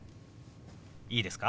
いいですか？